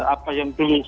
apa yang dulu